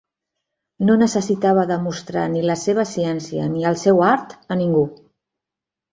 No necessitava demostrar ni la seva ciència ni el seu art a ningú.